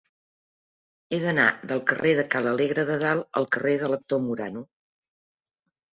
He d'anar del carrer de Ca l'Alegre de Dalt al carrer de l'Actor Morano.